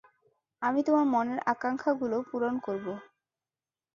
আমি তোমার মনের আকাঙ্ক্ষাগুলো পূরণ করব।